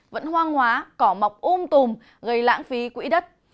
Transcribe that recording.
vẫn hoang hóa cỏ mọc um tùm gây lãng phí quỹ đất